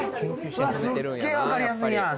すっげえ分かりやすいやん